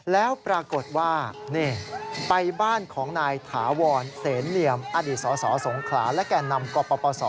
แล้วปรากฏว่านี่ไปบ้านของนายถาวรเสนเนียมอดีตสสงขลาและแก่นำกปศ